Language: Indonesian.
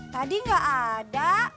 tadi gak ada